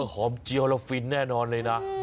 หอมเจี๊ยวแล้วฟินแน่นอนเลยนะ